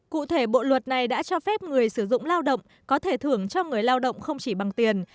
cụ thể bộ luật này đã cho phép người sử dụng lao động có thể thưởng cho người lao động không chỉ bằng tiền